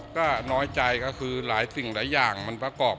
ก็น้อยใจก็คือหลายสิ่งหลายอย่างมันประกอบ